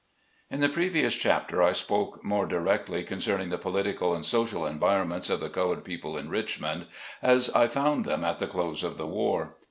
IN the previous chapter I spoke more directly concerning the political and social environ ments of the colored people in Richmond, as I found them at the close of the war.